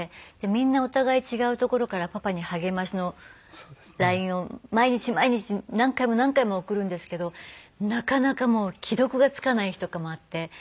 みんなお互い違う所からパパに励ましのＬＩＮＥを毎日毎日何回も何回も送るんですけどなかなかもう既読がつかない日とかもあって。